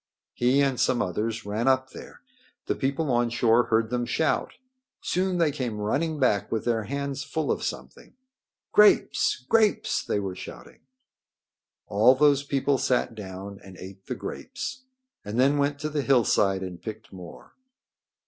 He and some others ran up there. The people on shore heard them shout. Soon they came running back with their hands full of something. "Grapes! Grapes!" they were shouting. All those people sat down and ate the grapes and then went to the hillside and picked more.